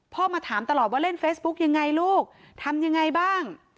มาถามตลอดว่าเล่นเฟซบุ๊กยังไงลูกทำยังไงบ้าง